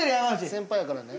先輩やからね。